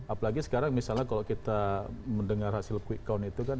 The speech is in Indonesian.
apalagi sekarang misalnya kalau kita mendengar hasil quick count itu kan